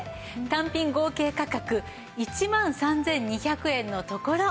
単品合計価格１万３２００円のところ